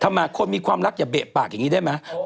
มาคนมีความรักอย่าเบะปากอย่างนี้ได้ไหม